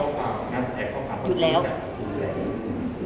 แฮสแท็กของคณะกรรมนิการคณะกรรมนิการบุ๋มรุนแรง